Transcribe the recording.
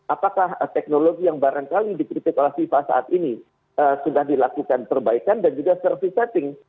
apakah teknologi yang barangkali dikritik oleh fifa saat ini sudah dilakukan perbaikan dan juga service setting